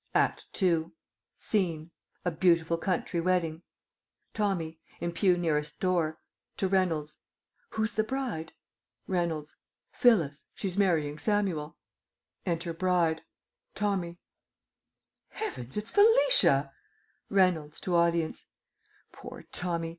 ACT II. SCENE A beautiful country wedding. Tommy (in pew nearest door, to Reynolds). Who's the bride? Reynolds. Phyllis. She's marrying Samuel. Enter Bride. Tommy. Heavens, it's Felicia! Reynolds (to audience). Poor Tommy!